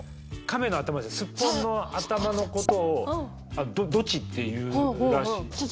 カメの頭スッポンの頭のことを「ドチ」って言うらしい。